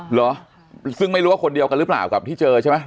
เหรอซึ่งไม่รู้ว่าคนเดียวกันหรือเปล่ากับที่เจอใช่ไหม